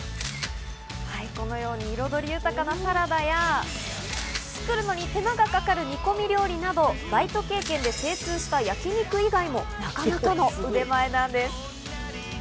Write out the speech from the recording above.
このように彩り豊かなサラダや、作るのに手間がかかる煮込み料理などバイト経験で精通した焼肉以外もなかなかの腕前なんです。